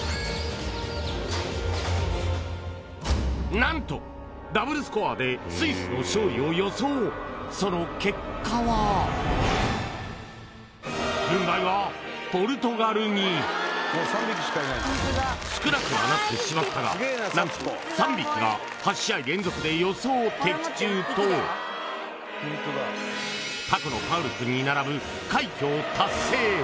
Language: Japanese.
なんとダブルスコアでスイスの勝利を予想その結果は軍配はポルトガルに少なくはなってしまったがなんと３匹が８試合連続で予想的中とタコのパウルくんに並ぶ快挙を達成